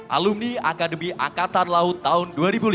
alumni akademi angkatan laut tahun dua ribu lima belas